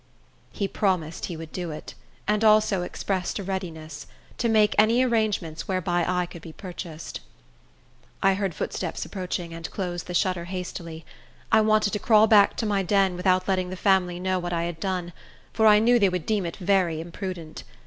He promised he would do it, and also expressed a readiness; to make any arrangements whereby I could be purchased. I heard footsteps approaching, and closed the shutter hastily. I wanted to crawl back to my den, without letting the family know what I had done; for I knew they would deem it very imprudent.